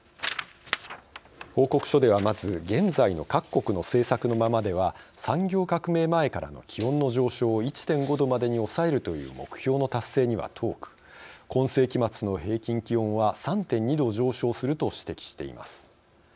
報告書ではまず現在の各国の政策のままでは産業革命前からの気温の上昇を１．５℃までに抑えるという目標の達成には遠く今世紀末の平均気温は３．２℃上昇すると指摘しています。